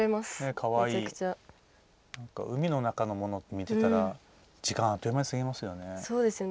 海の中のものって見てたら時間ってあっという間に過ぎますよね。